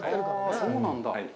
そうなんだ。